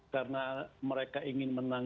karena mereka ingin menang